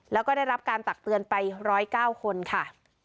แล้วก็ได้รับการตักเตือนไป๑๐๙คนค่ะ